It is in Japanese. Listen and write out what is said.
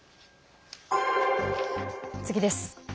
次です。